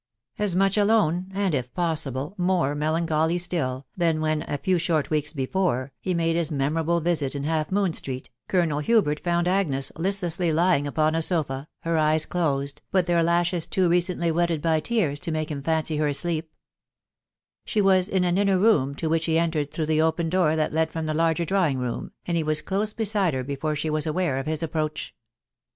As much ajone, and, if possible, more melancholy still, mam when, a few short weeks before, he made his memorable visit in Half Moon Street, Colonel Hubert found Agnes Bstfessljr lying upon a sofa ; her eyes closed, but their lashes too recently wetted by tears to make* him fancy her asleep* She was in an inner room, to which he entered through the open door mat .led from the larger drawing room, and he was close bceUk her before she was aware of his approach.